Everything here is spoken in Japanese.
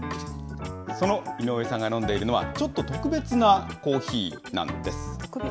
その井上さんが飲んでいるのは、ちょっと特別なコーヒーなんです。